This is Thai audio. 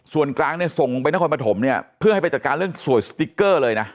ส่วนกลางเนี่ยส่งลงไปนครปฐมเนี่ยเพื่อให้ไปจัดการเรื่องสวยสติ๊กเกอร์เลยนะ